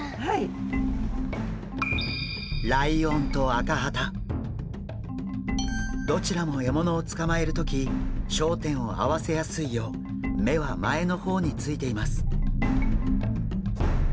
ライオンとアカハタどちらも獲物をつかまえる時焦点を合わせやすいよう目は前の方についています。